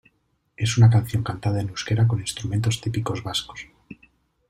Es una canción cantada en euskera con instrumentos típicos vascos.